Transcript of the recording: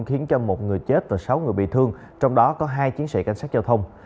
khiến cho một người chết và sáu người bị thương trong đó có hai chiến sĩ cảnh sát giao thông